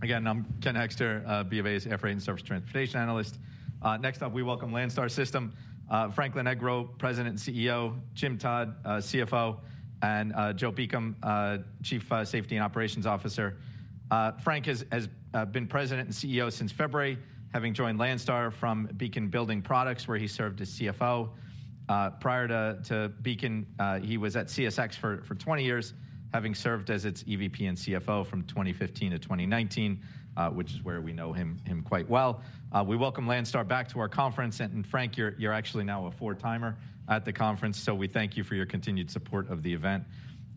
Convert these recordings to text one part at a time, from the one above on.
Again, I'm Ken Hoexter, BOA's Air Freight and Surface Transportation Analyst. Next up, we welcome Landstar System Frank Lonegro, President and CEO, Jim Todd, CFO, and Joe Beacom, Chief Safety and Operations Officer. Frank has been President and CEO since February, having joined Landstar from Beacon Building Products, where he served as CFO. Prior to Beacon, he was at CSX for 20 years, having served as its EVP and CFO from 2015-2019, which is where we know him quite well. We welcome Landstar back to our conference, and Frank, you're actually now a four-timer at the conference, so we thank you for your continued support of the event.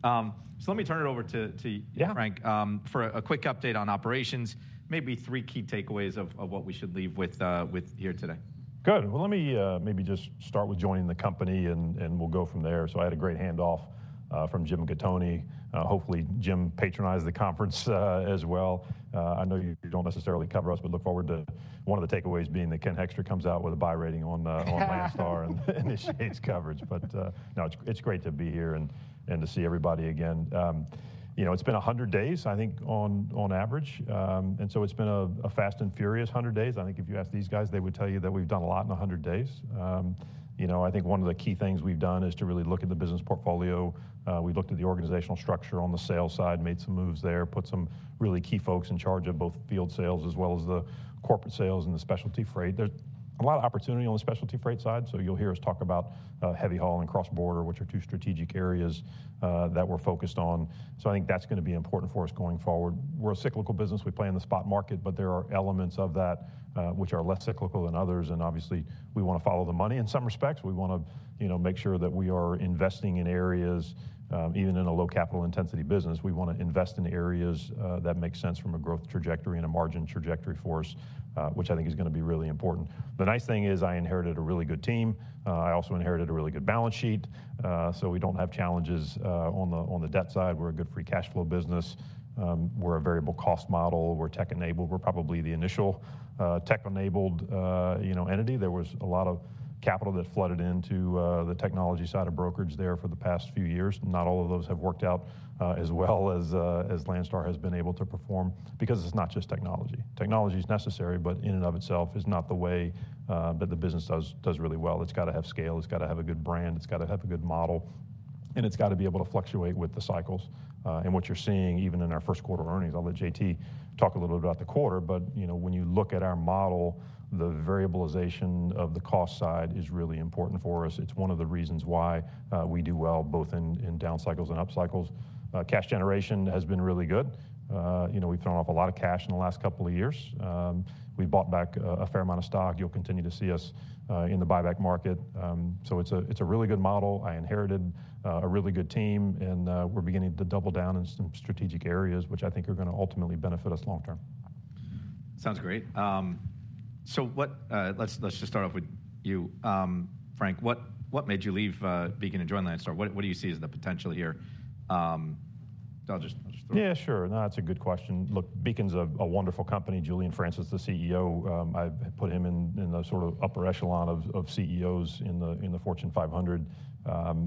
So let me turn it over to you, Frank. For a quick update on operations, maybe three key takeaways of what we should leave with here today. Good. Well, let me maybe just start with joining the company, and we'll go from there. So I had a great handoff from Jim Gattoni. Hopefully, Jim patronized the conference as well. I know you don't necessarily cover us, but look forward to one of the takeaways being that Ken Hoexter comes out with a buy rating on Landstar and the Street's coverage. But no, it's great to be here and to see everybody again. It's been 100 days, I think, on average. And so it's been a fast and furious 100 days. I think if you ask these guys, they would tell you that we've done a lot in 100 days. I think one of the key things we've done is to really look at the business portfolio. We've looked at the organizational structure on the sales side, made some moves there, put some really key folks in charge of both field sales as well as the corporate sales and the specialty freight. There's a lot of opportunity on the specialty freight side, so you'll hear us talk about heavy haul and cross-border, which are two strategic areas that we're focused on. So I think that's going to be important for us going forward. We're a cyclical business. We play in the spot market, but there are elements of that which are less cyclical than others. Obviously, we want to follow the money in some respects. We want to make sure that we are investing in areas even in a low-capital intensity business. We want to invest in areas that make sense from a growth trajectory and a margin trajectory for us, which I think is going to be really important. The nice thing is I inherited a really good team. I also inherited a really good balance sheet. So we don't have challenges on the debt side. We're a good free cash flow business. We're a variable cost model. We're tech-enabled. We're probably the initial tech-enabled entity. There was a lot of capital that flooded into the technology side of brokerage there for the past few years. Not all of those have worked out as well as Landstar has been able to perform, because it's not just technology. Technology is necessary, but in and of itself is not the way that the business does really well. It's got to have scale. It's got to have a good brand. It's got to have a good model. It's got to be able to fluctuate with the cycles. What you're seeing, even in our first quarter earnings—I'll let JT talk a little bit about the quarter. When you look at our model, the variabilization of the cost side is really important for us. It's one of the reasons why we do well both in down cycles and up cycles. Cash generation has been really good. We've thrown off a lot of cash in the last couple of years. We've bought back a fair amount of stock. You'll continue to see us in the buyback market. It's a really good model. I inherited a really good team. We're beginning to double down in some strategic areas, which I think are going to ultimately benefit us long term. Sounds great. So let's just start off with you, Frank. What made you leave Beacon and join Landstar? What do you see as the potential here? I'll just throw it. Yeah, sure. No, it's a good question. Look, Beacon's a wonderful company. Julian Francis is the CEO. I put him in the sort of upper echelon of CEOs in the Fortune 500.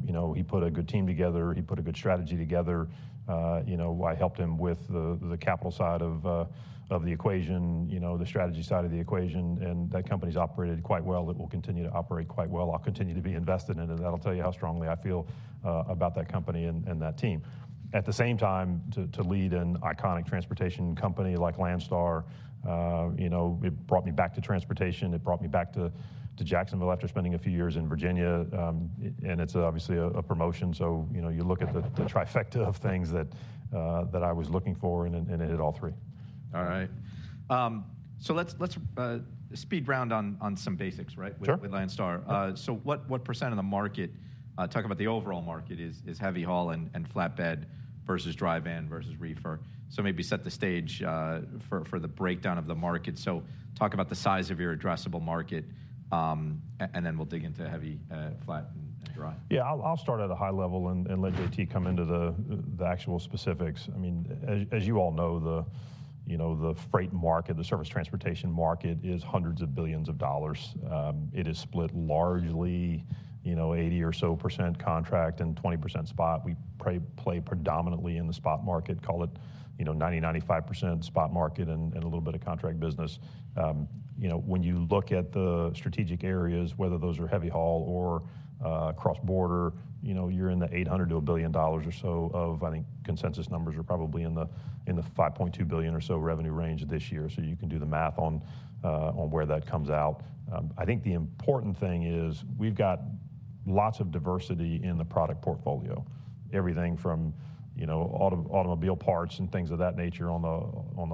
He put a good team together. He put a good strategy together. I helped him with the capital side of the equation, the strategy side of the equation. And that company's operated quite well. It will continue to operate quite well. I'll continue to be invested in it. That'll tell you how strongly I feel about that company and that team. At the same time, to lead an iconic transportation company like Landstar, it brought me back to transportation. It brought me back to Jacksonville after spending a few years in Virginia. And it's obviously a promotion. So you look at the trifecta of things that I was looking for, and it hit all three. All right. So let's speed round on some basics with Landstar. So what percent of the market talk about the overall market is heavy haul and flatbed versus dry van versus reefer? So maybe set the stage for the breakdown of the market. So talk about the size of your addressable market. And then we'll dig into heavy, flat, and dry. Yeah, I'll start at a high level and let JT come into the actual specifics. I mean, as you all know, the freight market, the surface transportation market, is hundreds of billions of dollars. It is split largely 80% or so contract and 20% spot. We play predominantly in the spot market, call it 90%-95% spot market and a little bit of contract business. When you look at the strategic areas, whether those are heavy haul or cross-border, you're in the $800-$1 billion or so of I think consensus numbers are probably in the $5.2 billion or so revenue range this year. So you can do the math on where that comes out. I think the important thing is we've got lots of diversity in the product portfolio, everything from automobile parts and things of that nature on the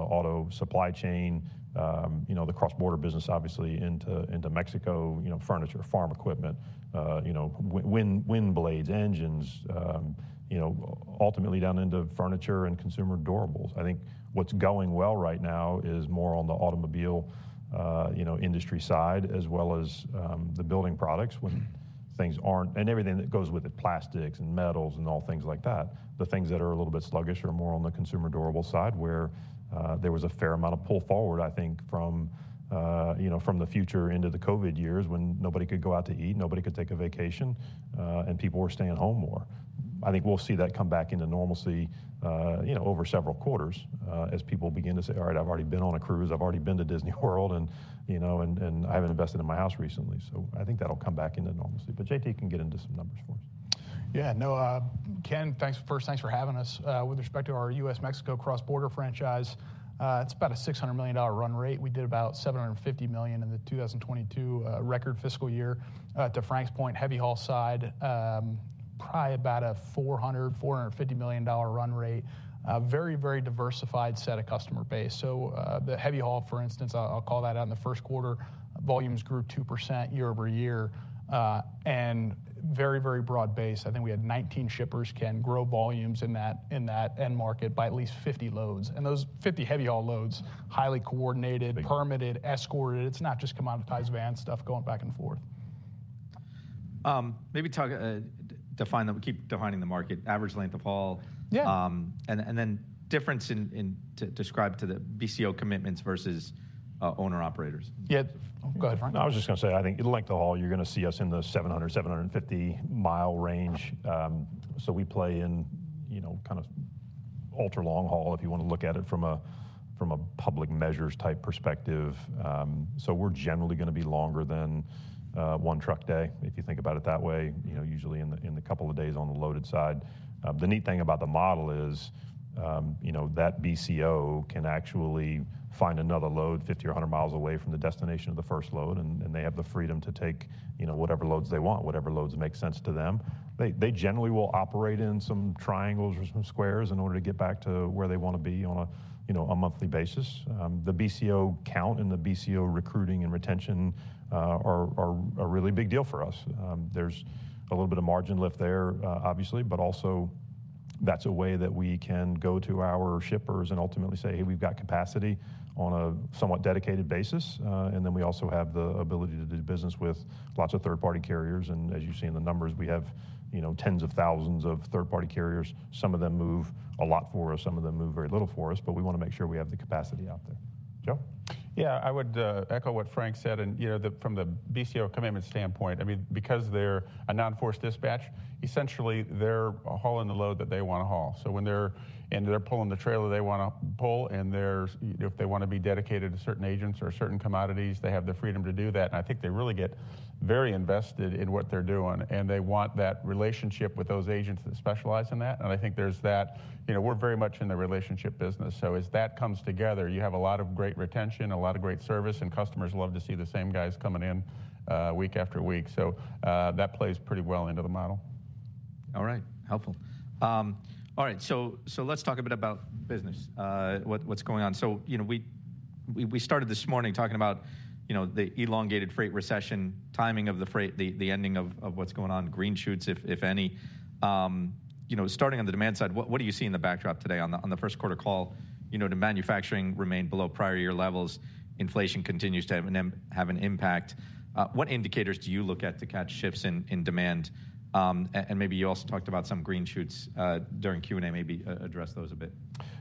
auto supply chain, the cross-border business obviously, into Mexico, furniture, farm equipment, wind blades, engines, ultimately down into furniture and consumer durables. I think what's going well right now is more on the automobile industry side as well as the building products, when things aren't and everything that goes with it, plastics and metals and all things like that. The things that are a little bit sluggish are more on the consumer durable side, where there was a fair amount of pull forward, I think, from the future into the COVID years, when nobody could go out to eat, nobody could take a vacation, and people were staying home more. I think we'll see that come back into normalcy over several quarters as people begin to say, all right, I've already been on a cruise. I've already been to Disney World. I haven't invested in my house recently. I think that'll come back into normalcy. JT can get into some numbers for us. Yeah, no, Ken, first, thanks for having us. With respect to our U.S.-Mexico cross-border franchise, it's about a $600 million run rate. We did about $750 million in the 2022 record fiscal year. To Frank's point, heavy haul side, probably about a $400-$450 million run rate. Very, very diversified set of customer base. So the heavy haul, for instance, I'll call that out in the first quarter, volumes grew 2% year-over-year. And very, very broad base. I think we had 19 shippers, Ken, grow volumes in that end market by at least 50 loads. And those 50 heavy haul loads, highly coordinated, permitted, escorted. It's not just commoditized van stuff going back and forth. Maybe keep defining the market, average length of haul, and then difference to describe to the BCO commitments versus owner-operators. Yeah, go ahead, Frank. I was just going to say, I think length of haul, you're going to see us in the 700-750-mile range. So we play in kind of ultra-long haul, if you want to look at it from a public measures type perspective. So we're generally going to be longer than one truck day, if you think about it that way, usually in the couple of days on the loaded side. The neat thing about the model is that BCO can actually find another load 50 or 100 miles away from the destination of the first load. And they have the freedom to take whatever loads they want, whatever loads make sense to them. They generally will operate in some triangles or some squares in order to get back to where they want to be on a monthly basis. The BCO count and the BCO recruiting and retention are a really big deal for us. There's a little bit of margin lift there, obviously. But also, that's a way that we can go to our shippers and ultimately say, hey, we've got capacity on a somewhat dedicated basis. And then we also have the ability to do business with lots of third-party carriers. And as you've seen in the numbers, we have tens of thousands of third-party carriers. Some of them move a lot for us. Some of them move very little for us. But we want to make sure we have the capacity out there. Joe? Yeah, I would echo what Frank said. And from the BCO commitment standpoint, I mean, because they're a non-force dispatch, essentially, they're hauling the load that they want to haul. So when they're pulling the trailer they want to pull, and if they want to be dedicated to certain agents or certain commodities, they have the freedom to do that. And I think they really get very invested in what they're doing. And they want that relationship with those agents that specialize in that. And I think there's that we're very much in the relationship business. So as that comes together, you have a lot of great retention, a lot of great service. And customers love to see the same guys coming in week after week. So that plays pretty well into the model. All right, helpful. All right, so let's talk a bit about business, what's going on. So we started this morning talking about the elongated freight recession, timing of the freight, the ending of what's going on, green shoots, if any. Starting on the demand side, what do you see in the backdrop today? On the first quarter call, manufacturing remained below prior year levels. Inflation continues to have an impact. What indicators do you look at to catch shifts in demand? And maybe you also talked about some green shoots during Q&A. Maybe address those a bit.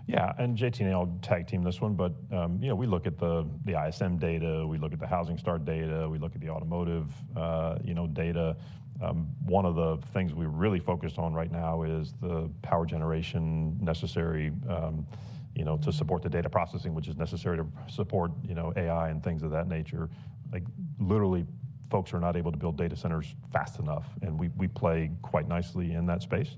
Yeah, and JT and I'll tag team this one. But we look at the ISM data. We look at the Housing Starts data. We look at the automotive data. One of the things we're really focused on right now is the power generation necessary to support the data processing, which is necessary to support AI and things of that nature. Literally, folks are not able to build data centers fast enough. And we play quite nicely in that space.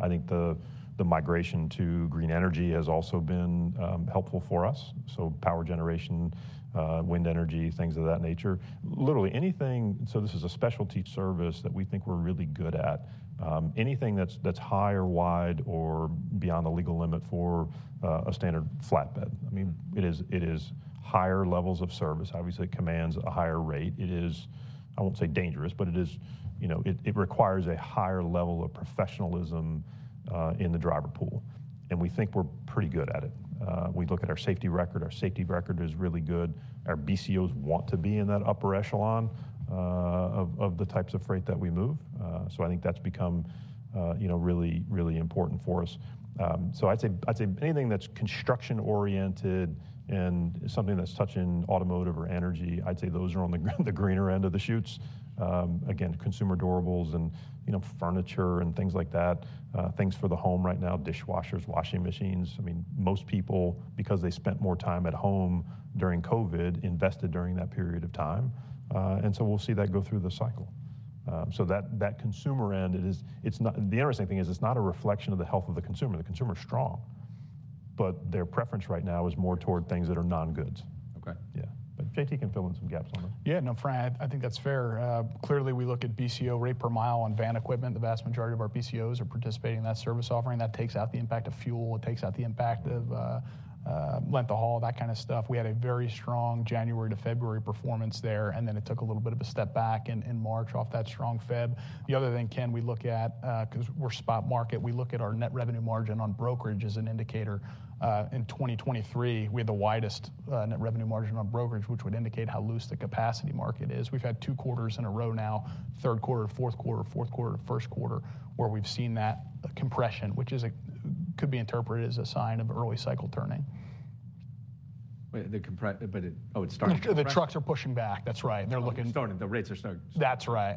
I think the migration to green energy has also been helpful for us. So power generation, wind energy, things of that nature. Literally anything, so this is a specialty service that we think we're really good at. Anything that's high or wide or beyond the legal limit for a standard flatbed. I mean, it is higher levels of service. Obviously, it commands a higher rate. It is. I won't say dangerous, but it requires a higher level of professionalism in the driver pool. We think we're pretty good at it. We look at our safety record. Our safety record is really good. Our BCOs want to be in that upper echelon of the types of freight that we move. I think that's become really, really important for us. I'd say anything that's construction-oriented and something that's touching automotive or energy. I'd say those are on the green shoots. Again, consumer durables and furniture and things like that, things for the home right now, dishwashers, washing machines. I mean, most people, because they spent more time at home during COVID, invested during that period of time. We'll see that go through the cycle. So that consumer end, the interesting thing is, it's not a reflection of the health of the consumer. The consumer is strong. But their preference right now is more toward things that are non-goods. Yeah, but JT can fill in some gaps on those. Yeah, no, Frank, I think that's fair. Clearly, we look at BCO rate per mile on van equipment. The vast majority of our BCOs are participating in that service offering. That takes out the impact of fuel. It takes out the impact of length of haul, that kind of stuff. We had a very strong January to February performance there. And then it took a little bit of a step back in March off that strong February. The other thing, Ken, we look at because we're spot market, we look at our net revenue margin on brokerage as an indicator. In 2023, we had the widest net revenue margin on brokerage, which would indicate how loose the capacity market is. We've had two quarters in a row now, third quarter, fourth quarter, fourth quarter, first quarter, where we've seen that compression, which could be interpreted as a sign of early cycle turning. Oh, it's starting to turn. The trucks are pushing back. That's right. They're looking. Starting. The rates are starting. That's right.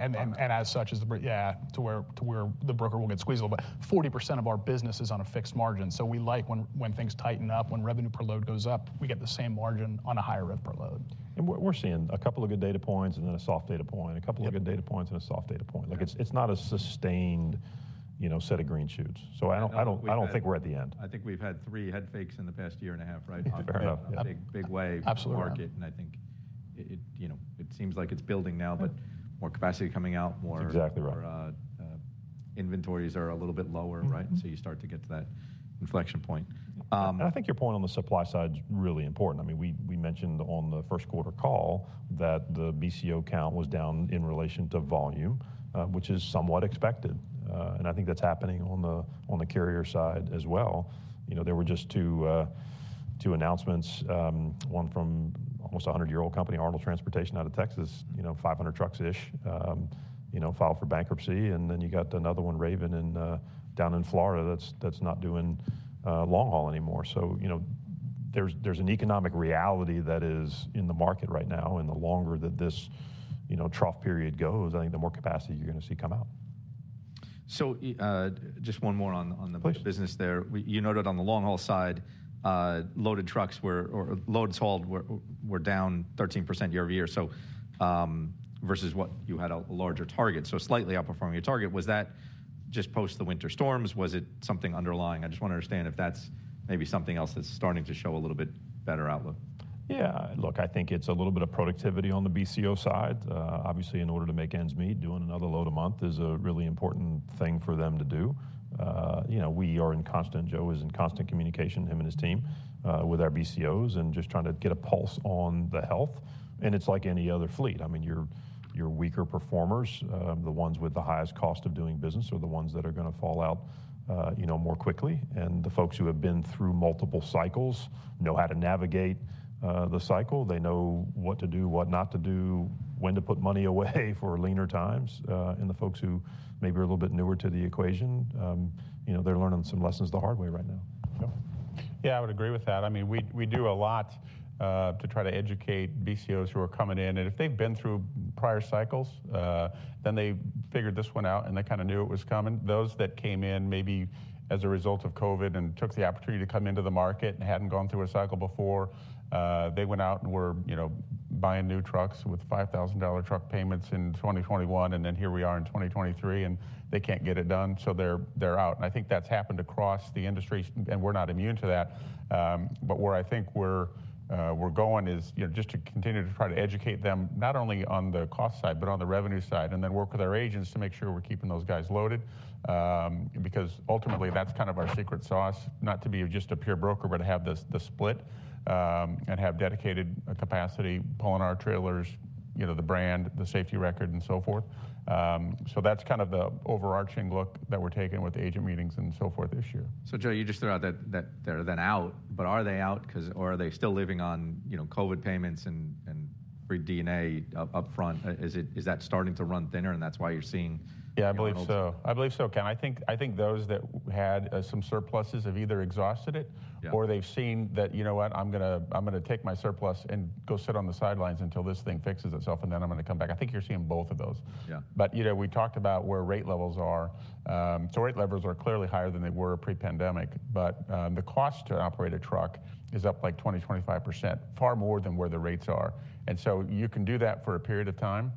As such, yeah, to where the broker will get squeezed a little bit. 40% of our business is on a fixed margin. We like when things tighten up, when revenue per load goes up, we get the same margin on a higher risk per load. We're seeing a couple of good data points and then a soft data point, a couple of good data points and a soft data point. It's not a sustained set of green shoots. I don't think we're at the end. I think we've had three head fakes in the past year and a half, right? Fair enough. Big wave market. I think it seems like it's building now. More capacity coming out. Exactly right. Our inventories are a little bit lower. So you start to get to that inflection point. And I think your point on the supply side is really important. I mean, we mentioned on the first quarter call that the BCO count was down in relation to volume, which is somewhat expected. And I think that's happening on the carrier side as well. There were just two announcements, one from almost 100-year-old company Arnold Transportation out of Texas, 500 trucks-ish, filed for bankruptcy. And then you got another one, Raven, down in Florida that's not doing long haul anymore. So there's an economic reality that is in the market right now. And the longer that this trough period goes, I think the more capacity you're going to see come out. Just one more on the business there. You noted on the long haul side, loaded trucks or loads hauled were down 13% year-over-year versus what you had a larger target, so slightly outperforming your target. Was that just post the winter storms? Was it something underlying? I just want to understand if that's maybe something else that's starting to show a little bit better outlook. Yeah, look, I think it's a little bit of productivity on the BCO side. Obviously, in order to make ends meet, doing another load a month is a really important thing for them to do. Joe is in constant communication, him and his team, with our BCOs and just trying to get a pulse on the health. And it's like any other fleet. I mean, your weaker performers, the ones with the highest cost of doing business, are the ones that are going to fall out more quickly. And the folks who have been through multiple cycles know how to navigate the cycle. They know what to do, what not to do, when to put money away for leaner times. And the folks who maybe are a little bit newer to the equation, they're learning some lessons the hard way right now. Yeah, I would agree with that. I mean, we do a lot to try to educate BCOs who are coming in. And if they've been through prior cycles, then they figured this one out. And they kind of knew it was coming. Those that came in maybe as a result of COVID and took the opportunity to come into the market and hadn't gone through a cycle before, they went out and were buying new trucks with $5,000 truck payments in 2021. And then here we are in 2023. And they can't get it done. So they're out. And I think that's happened across the industry. And we're not immune to that. Where I think we're going is just to continue to try to educate them, not only on the cost side, but on the revenue side, and then work with our agents to make sure we're keeping those guys loaded. Because ultimately, that's kind of our secret sauce, not to be just a pure broker, but to have the split and have dedicated capacity, pulling our trailers, the brand, the safety record, and so forth. So that's kind of the overarching look that we're taking with the agent meetings and so forth this year. So Joe, you just threw out that they're then out. But are they out? Or are they still living on COVID payments and free money upfront? Is that starting to run thinner? And that's why you're seeing? Yeah, I believe so. I believe so, Ken. I think those that had some surpluses have either exhausted it or they've seen that, you know what, I'm going to take my surplus and go sit on the sidelines until this thing fixes itself. And then I'm going to come back. I think you're seeing both of those. But we talked about where rate levels are. So rate levels are clearly higher than they were pre-pandemic. But the cost to operate a truck is up like 20%, 25%, far more than where the rates are. And so you can do that for a period of time.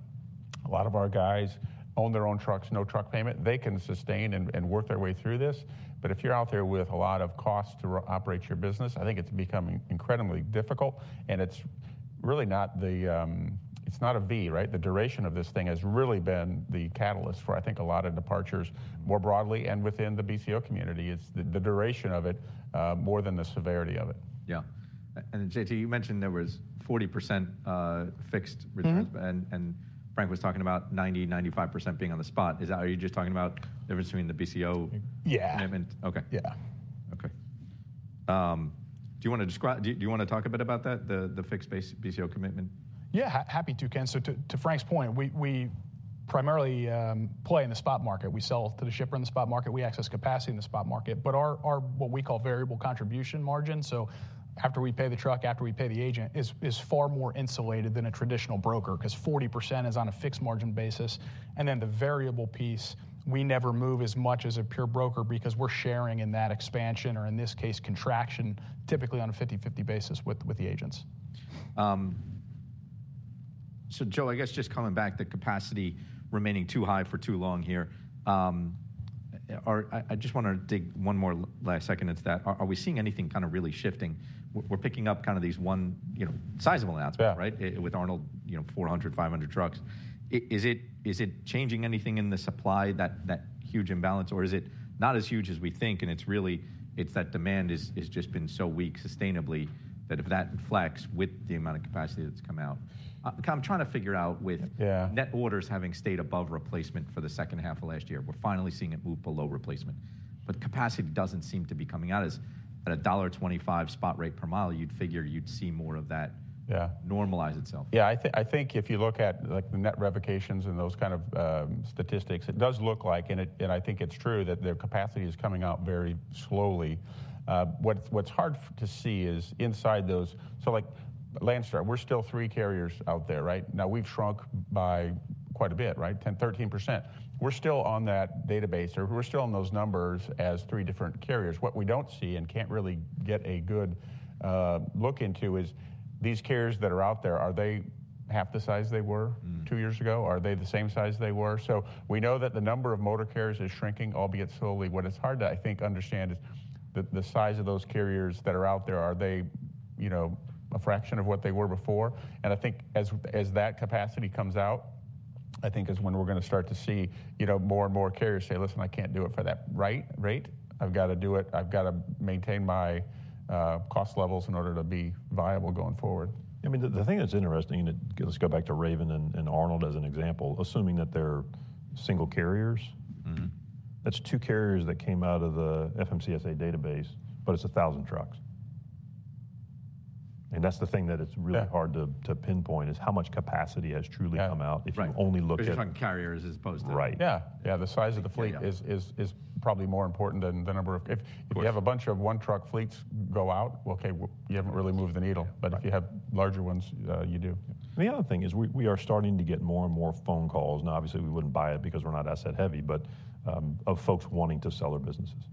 A lot of our guys own their own trucks, no truck payment. They can sustain and work their way through this. But if you're out there with a lot of cost to operate your business, I think it's becoming incredibly difficult. And it's really not, it's not a V, right? The duration of this thing has really been the catalyst for, I think, a lot of departures more broadly and within the BCO community. It's the duration of it more than the severity of it. Yeah. JT, you mentioned there was 40% fixed returns. Frank was talking about 90%, 95% being on the spot. Are you just talking about the difference between the BCO commitment? Yeah. OK. Yeah. OK. Do you want to talk a bit about that, the fixed BCO commitment? Yeah, happy to, Ken. So to Frank's point, we primarily play in the spot market. We sell to the shipper in the spot market. We access capacity in the spot market. But our what we call variable contribution margin, so after we pay the truck, after we pay the agent, is far more insulated than a traditional broker. Because 40% is on a fixed margin basis. And then the variable piece, we never move as much as a pure broker because we're sharing in that expansion or, in this case, contraction, typically on a 50/50 basis with the agents. So, Joe, I guess just coming back, the capacity remaining too high for too long here. I just want to dig one more last second into that. Are we seeing anything kind of really shifting? We're picking up kind of these one sizable announcement, right, with Arnold, 400, 500 trucks. Is it changing anything in the supply, that huge imbalance? Or is it not as huge as we think? And it's really that demand has just been so weak sustainably that if that inflects with the amount of capacity that's come out. I'm trying to figure out, with net orders having stayed above replacement for the second half of last year, we're finally seeing it move below replacement. But capacity doesn't seem to be coming out. At $1.25 spot rate per mile, you'd figure you'd see more of that normalize itself. Yeah, I think if you look at the net revocations and those kind of statistics, it does look like, and I think it's true, that their capacity is coming out very slowly. What's hard to see is inside those so Landstar, we're still three carriers out there, right? Now, we've shrunk by quite a bit, right, 10%, 13%. We're still on that database. We're still on those numbers as three different carriers. What we don't see and can't really get a good look into is these carriers that are out there, are they half the size they were two years ago? Are they the same size they were? So we know that the number of motor carriers is shrinking, albeit slowly. What it's hard to, I think, understand is the size of those carriers that are out there, are they a fraction of what they were before? And I think as that capacity comes out, I think is when we're going to start to see more and more carriers say, listen, I can't do it for that right rate. I've got to do it. I've got to maintain my cost levels in order to be viable going forward. I mean, the thing that's interesting and let's go back to Raven and Arnold as an example, assuming that they're single carriers, that's two carriers that came out of the FMCSA database. But it's 1,000 trucks. And that's the thing that it's really hard to pinpoint is how much capacity has truly come out if you only look at. But you're talking carriers as opposed to. Right. Yeah, yeah, the size of the fleet is probably more important than the number of if you have a bunch of one truck fleets go out, well, OK, you haven't really moved the needle. But if you have larger ones, you do. The other thing is we are starting to get more and more phone calls. Now, obviously, we wouldn't buy it because we're not asset heavy, but of folks wanting to sell their businesses.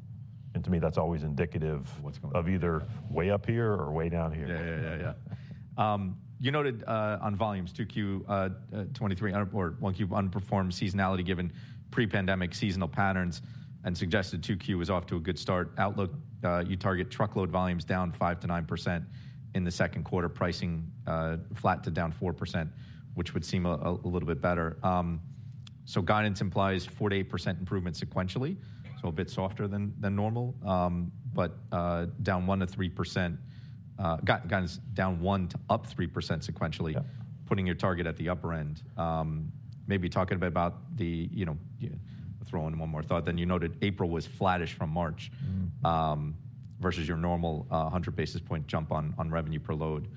To me, that's always indicative of either way up here or way down here. Yeah, yeah, yeah, yeah. You noted on volumes, 2Q23 or Q1 unperformed seasonality given pre-pandemic seasonal patterns and suggested Q2 was off to a good start outlook. You target truck load volumes down 5%-9% in the second quarter, pricing flat to down 4%, which would seem a little bit better. So guidance implies 48% improvement sequentially, so a bit softer than normal. But down 1%-3%, guidance down 1% to up 3% sequentially, putting your target at the upper end. Maybe talking a bit about the throw in one more thought. Then you noted April was flattish from March versus your normal 100 basis point jump on revenue per load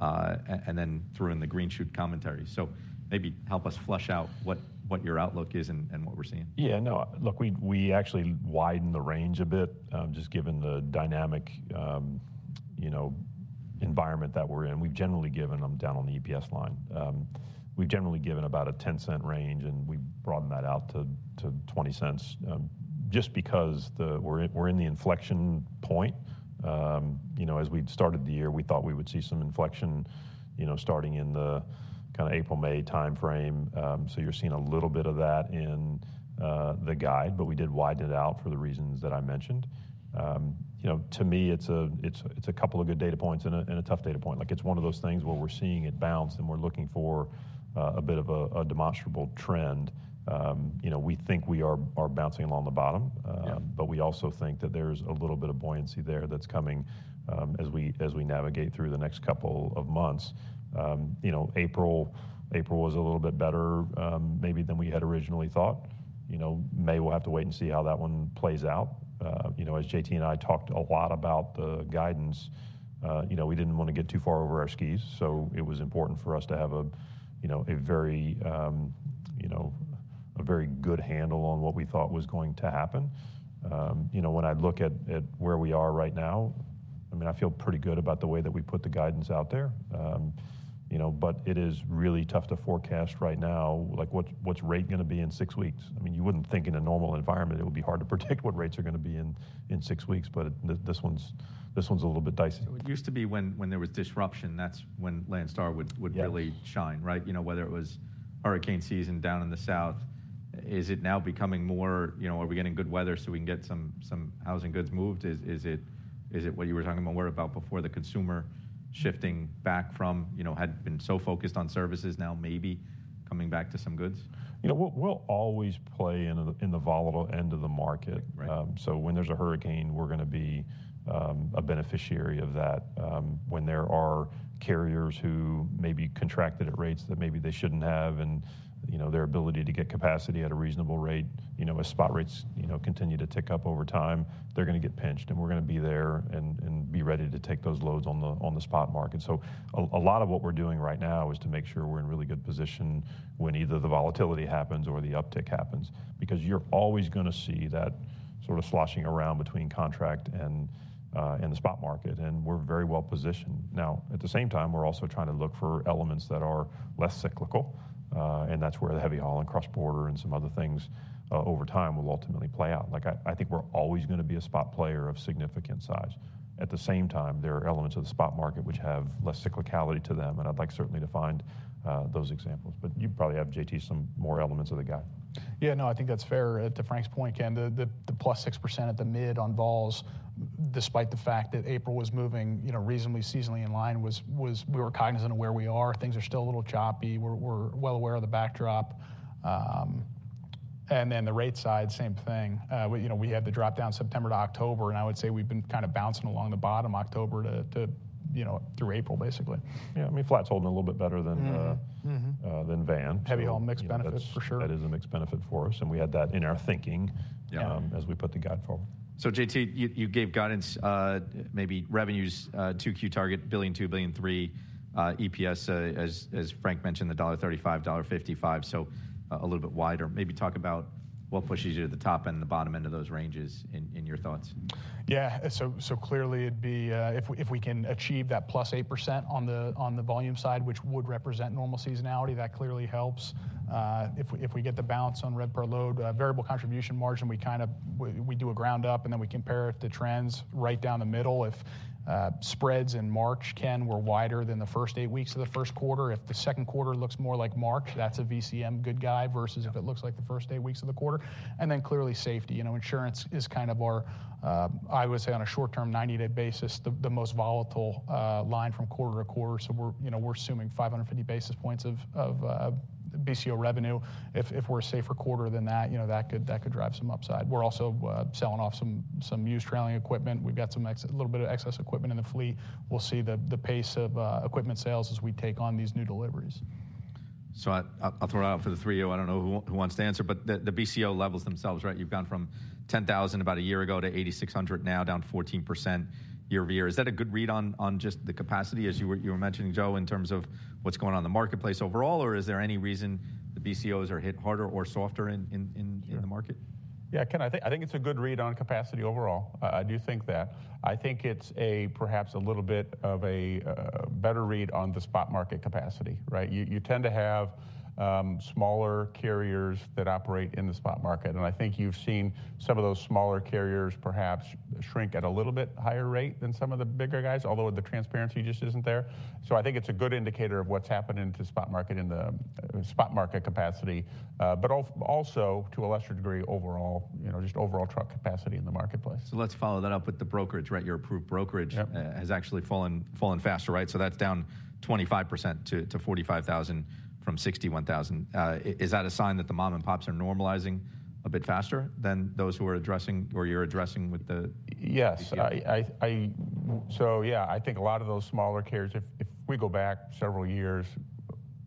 and then threw in the green shoot commentary. So maybe help us flush out what your outlook is and what we're seeing. Yeah, no, look, we actually widened the range a bit just given the dynamic environment that we're in. We've generally given. I'm down on the EPS line. We've generally given about a $0.10 range. And we've broadened that out to $0.20 just because we're in the inflection point. As we'd started the year, we thought we would see some inflection starting in the kind of April, May time frame. So you're seeing a little bit of that in the guide. But we did widen it out for the reasons that I mentioned. To me, it's a couple of good data points and a tough data point. It's one of those things where we're seeing it bounce. And we're looking for a bit of a demonstrable trend. We think we are bouncing along the bottom. But we also think that there's a little bit of buoyancy there that's coming as we navigate through the next couple of months. April was a little bit better maybe than we had originally thought. May, we'll have to wait and see how that one plays out. As JT and I talked a lot about the guidance, we didn't want to get too far over our skis. So it was important for us to have a very good handle on what we thought was going to happen. When I look at where we are right now, I mean, I feel pretty good about the way that we put the guidance out there. But it is really tough to forecast right now what's rate going to be in six weeks. I mean, you wouldn't think in a normal environment it would be hard to predict what rates are going to be in six weeks. But this one's a little bit dicey. It used to be when there was disruption. That's when Landstar would really shine, right? Whether it was hurricane season down in the south, is it now becoming more? Are we getting good weather so we can get some housing goods moved? Is it what you were talking about before, the consumer shifting back from had been so focused on services, now maybe coming back to some goods? We'll always play in the volatile end of the market. So when there's a hurricane, we're going to be a beneficiary of that. When there are carriers who maybe contracted at rates that maybe they shouldn't have and their ability to get capacity at a reasonable rate, as spot rates continue to tick up over time, they're going to get pinched. And we're going to be there and be ready to take those loads on the spot market. So a lot of what we're doing right now is to make sure we're in really good position when either the volatility happens or the uptick happens. Because you're always going to see that sort of sloshing around between contract and the spot market. And we're very well positioned. Now, at the same time, we're also trying to look for elements that are less cyclical. And that's where the heavy haul and cross-border and some other things over time will ultimately play out. I think we're always going to be a spot player of significant size. At the same time, there are elements of the spot market which have less cyclicality to them. And I'd like certainly to find those examples. But you probably have, JT, some more elements of the guide. Yeah, no, I think that's fair to Frank's point, Ken. The +6% at the mid on vols, despite the fact that April was moving reasonably seasonally in line, we were cognizant of where we are. Things are still a little choppy. We're well aware of the backdrop. And then the rate side, same thing. We had the drop down September to October. And I would say we've been kind of bouncing along the bottom October through April, basically. Yeah, I mean, flat's holding a little bit better than van. Heavy haul, mixed benefits, for sure. That is a mixed benefit for us. We had that in our thinking as we put the guide forward. So JT, you gave guidance, maybe revenues, Q2 target, $2 billion-$3 billion, EPS, as Frank mentioned, $1.35-$1.55, so a little bit wider. Maybe talk about what pushes you to the top end and the bottom end of those ranges in your thoughts. Yeah, so clearly, it'd be if we can achieve that +8% on the volume side, which would represent normal seasonality, that clearly helps. If we get the bounce on rate per load, variable contribution margin, we kind of do a ground-up. And then we compare it to trends right down the middle. If spot rates in March, Ken, were wider than the first 8 weeks of the first quarter, if the second quarter looks more like March, that's a VCM good guy versus if it looks like the first 8 weeks of the quarter. And then clearly, safety. Insurance is kind of our, I would say, on a short-term, 90-day basis, the most volatile line from quarter to quarter. So we're assuming 550 basis points of BCO revenue. If we're a safer quarter than that, that could drive some upside. We're also selling off some used trailer equipment. We've got a little bit of excess equipment in the fleet. We'll see the pace of equipment sales as we take on these new deliveries. So I'll throw it out for the Q3. I don't know who wants to answer. But the BCO levels themselves, right? You've gone from $10,000 about a year ago to $8,600 now, down 14% year-over-year. Is that a good read on just the capacity, as you were mentioning, Joe, in terms of what's going on the marketplace overall? Or is there any reason the BCOs are hit harder or softer in the market? Yeah, Ken, I think it's a good read on capacity overall. I do think that. I think it's perhaps a little bit of a better read on the spot market capacity, right? You tend to have smaller carriers that operate in the spot market. And I think you've seen some of those smaller carriers perhaps shrink at a little bit higher rate than some of the bigger guys, although the transparency just isn't there. So I think it's a good indicator of what's happening to spot market capacity, but also, to a lesser degree, overall, just overall truck capacity in the marketplace. So let's follow that up with the brokerage, right? Your approved brokerage has actually fallen faster, right? So that's down 25% to $45,000 from $61,000. Is that a sign that the mom-and-pops are normalizing a bit faster than those who are addressing or you're addressing with the BCOs? Yes, so yeah, I think a lot of those smaller carriers, if we go back several years,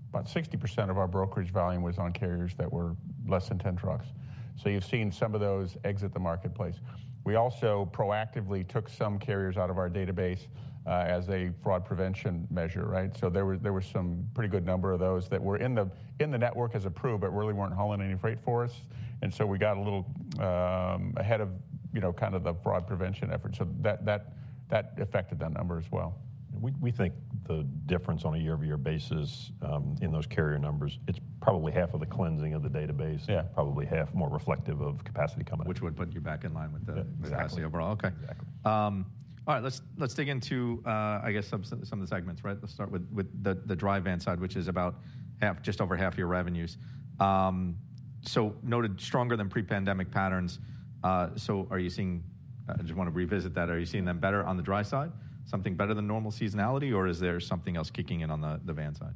about 60% of our brokerage volume was on carriers that were less than 10 trucks. So you've seen some of those exit the marketplace. We also proactively took some carriers out of our database as a fraud prevention measure, right? So there was some pretty good number of those that were in the network as approved but really weren't hauling any freight for us. And so we got a little ahead of kind of the fraud prevention effort. So that affected that number as well. We think the difference on a year-over-year basis in those carrier numbers. It's probably half of the cleansing of the database, probably half more reflective of capacity coming in. Which would put you back in line with the capacity overall, OK. Exactly. All right, let's dig into, I guess, some of the segments, right? Let's start with the dry van side, which is about just over half your revenues. So noted stronger than pre-pandemic patterns. So, are you seeing? I just want to revisit that. Are you seeing them better on the dry side, something better than normal seasonality? Or is there something else kicking in on the van side?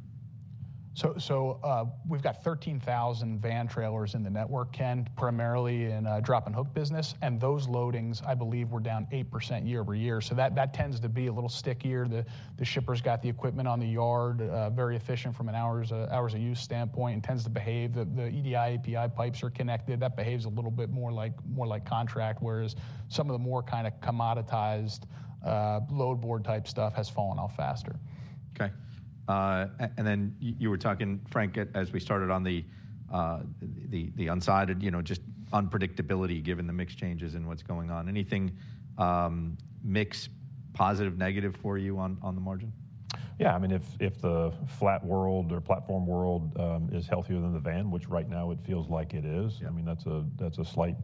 We've got 13,000 van trailers in the network, Ken, primarily in a drop-and-hook business. Those loadings, I believe, were down 8% year-over-year. That tends to be a little stickier. The shippers got the equipment on the yard, very efficient from an hours-of-use standpoint, and tends to behave. The EDI, API pipes are connected. That behaves a little bit more like contract, whereas some of the more kind of commoditized load board type stuff has fallen off faster. OK, and then you were talking, Frank, as we started on the upside, just unpredictability given the mixed changes and what's going on. Anything mixed, positive, negative for you on the margin? Yeah, I mean, if the flat world or platform world is healthier than the van, which right now it feels like it is, I mean, that's a slight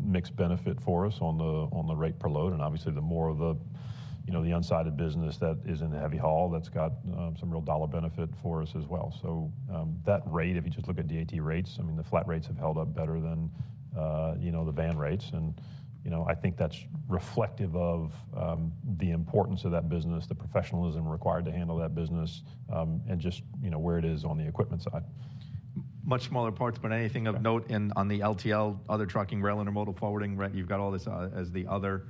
mixed benefit for us on the rate per load. And obviously, the more of the unsided business that is in the heavy haul, that's got some real dollar benefit for us as well. So that rate, if you just look at DAT rates, I mean, the flat rates have held up better than the van rates. And I think that's reflective of the importance of that business, the professionalism required to handle that business, and just where it is on the equipment side. Much smaller parts, but anything of note on the LTL, other trucking, rail intermodal forwarding, right? You've got all this as the other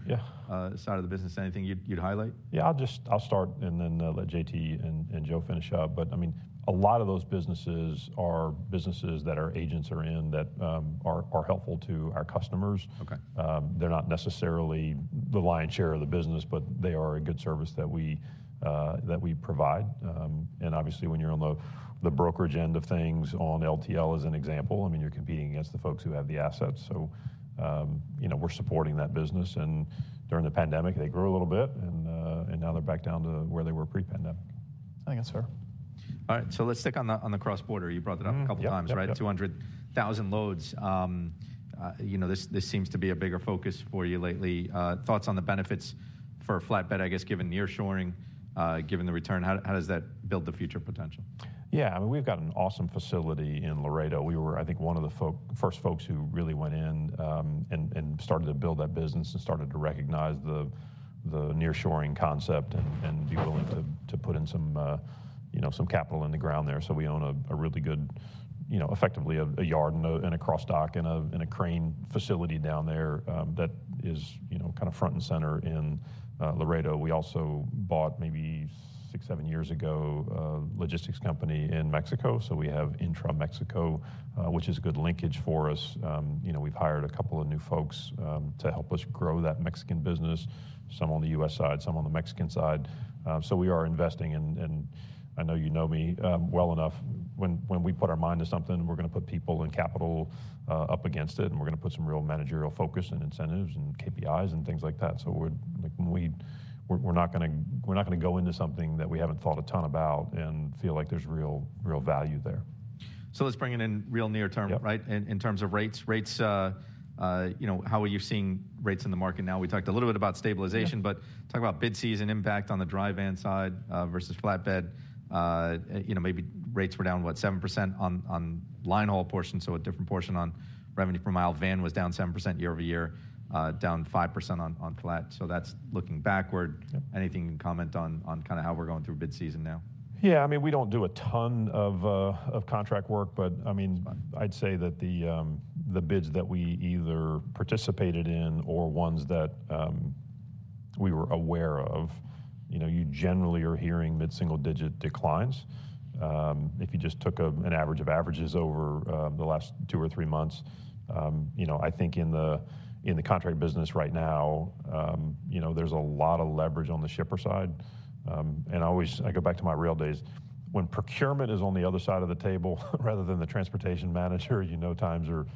side of the business. Anything you'd highlight? Yeah, I'll start and then let JT and Joe finish up. But I mean, a lot of those businesses are businesses that our agents are in that are helpful to our customers. They're not necessarily the lion's share of the business. But they are a good service that we provide. And obviously, when you're on the brokerage end of things, on LTL as an example, I mean, you're competing against the folks who have the assets. So we're supporting that business. And during the pandemic, they grew a little bit. And now they're back down to where they were pre-pandemic. I think that's fair. All right, so let's stick on the cross-border. You brought that up a couple of times, right? 200,000 loads. This seems to be a bigger focus for you lately. Thoughts on the benefits for a flatbed, I guess, given nearshoring, given the return? How does that build the future potential? Yeah, I mean, we've got an awesome facility in Laredo. We were, I think, one of the first folks who really went in and started to build that business and started to recognize the nearshoring concept and be willing to put in some capital in the ground there. So we own a really good, effectively, a yard and a cross-dock and a crane facility down there that is kind of front and center in Laredo. We also bought maybe 6, 7 years ago a logistics company in Mexico. So we have intra-Mexico, which is a good linkage for us. We've hired a couple of new folks to help us grow that Mexican business, some on the U.S. side, some on the Mexican side. So we are investing. And I know you know me well enough. When we put our mind to something, we're going to put people and capital up against it. We're going to put some real managerial focus and incentives and KPIs and things like that. We're not going to go into something that we haven't thought a ton about and feel like there's real value there. So let's bring it in real near term, right, in terms of rates. Rates, how are you seeing rates in the market now? We talked a little bit about stabilization. But talk about bid season impact on the dry van side versus flatbed. Maybe rates were down, what, 7% on line haul portion, so a different portion on revenue per mile van was down 7% year-over-year, down 5% on flatbed. So that's looking backward. Anything you can comment on kind of how we're going through bid season now? Yeah, I mean, we don't do a ton of contract work. But I mean, I'd say that the bids that we either participated in or ones that we were aware of, you generally are hearing mid-single digit declines. If you just took an average of averages over the last 2 or 3 months, I think in the contract business right now, there's a lot of leverage on the shipper side. And I always go back to my rail days. When procurement is on the other side of the table rather than the transportation manager, you know times are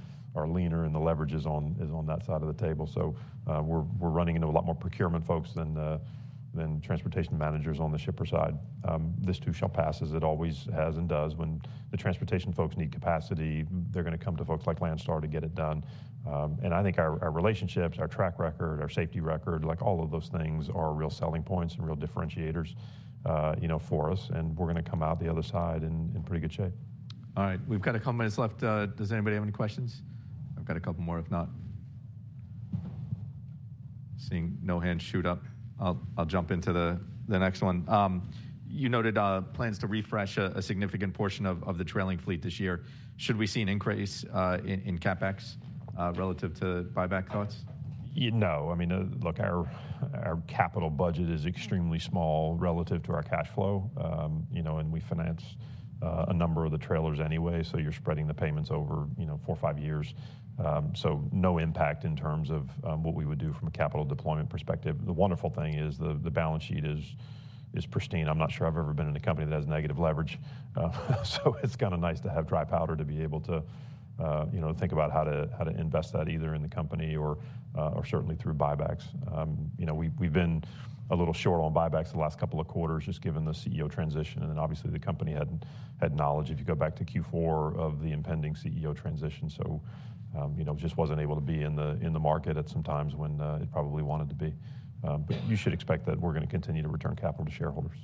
leaner and the leverage is on that side of the table. So we're running into a lot more procurement folks than transportation managers on the shipper side. This too shall pass as it always has and does. When the transportation folks need capacity, they're going to come to folks like Landstar to get it done. And I think our relationships, our track record, our safety record, all of those things are real selling points and real differentiators for us. And we're going to come out the other side in pretty good shape. All right, we've got a couple of minutes left. Does anybody have any questions? I've got a couple more, if not. Seeing no hands shoot up, I'll jump into the next one. You noted plans to refresh a significant portion of the trailing fleet this year. Should we see an increase in CapEx relative to buyback thoughts? No, I mean, look, our capital budget is extremely small relative to our cash flow. And we finance a number of the trailers anyway. So you're spreading the payments over 4-5 years. So no impact in terms of what we would do from a capital deployment perspective. The wonderful thing is the balance sheet is pristine. I'm not sure I've ever been in a company that has negative leverage. So it's kind of nice to have dry powder to be able to think about how to invest that either in the company or certainly through buybacks. We've been a little short on buybacks the last couple of quarters, just given the CEO transition. And then obviously, the company had knowledge, if you go back to Q4, of the impending CEO transition. So just wasn't able to be in the market at some times when it probably wanted to be. But you should expect that we're going to continue to return capital to shareholders.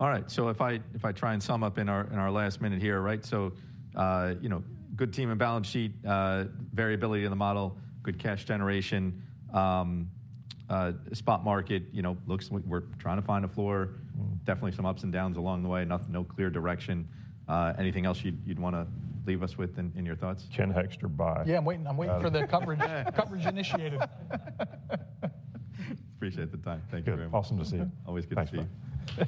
All right, so if I try and sum up in our last minute here, right? So good team and balance sheet, variability in the model, good cash generation, spot market, looks like we're trying to find a floor, definitely some ups and downs along the way, no clear direction. Anything else you'd want to leave us with in your thoughts? Ken Hoexter, buy. Yeah, I'm waiting for the coverage initiative. Appreciate the time. Thank you very much. Awesome to see you. Always good to see you.